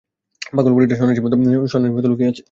পাগল বুড়িটা সন্ন্যাসীর মতো লুকিয়ে আছে!